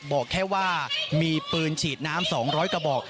บอกแค่ว่ามีปืนฉีดน้ำ๒๐๐กระบอก